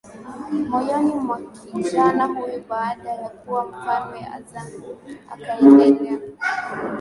moyoni mwa kijana huyo Baada ya kuwa mfalme Ezana akaendelea